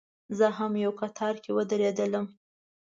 زه هم یو کتار کې ودرېدلم.